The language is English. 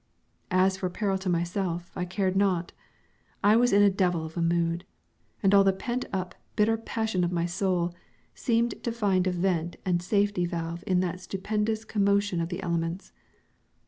As for peril to myself, I cared not. I was in a devil of a mood, and all the pent up bitter passion of my soul seemed to find a vent and safety valve in that stupendous commotion of the elements.